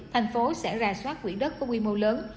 thành phố sẽ ra soát quỹ đất có quy mô lớn